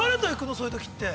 そういうときって。